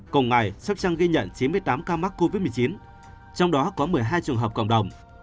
cùng ngày sóc trăng ghi nhận chín mươi tám ca mắc covid một mươi chín trong đó có một mươi hai trường hợp cộng đồng